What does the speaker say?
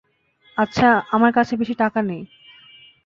আমার কাছে বেশি টাকা নেই।